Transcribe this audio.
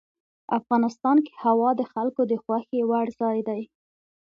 افغانستان کې هوا د خلکو د خوښې وړ ځای دی.